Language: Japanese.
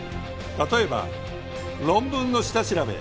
例えば論文の下調べ。